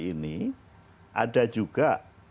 ini ada juga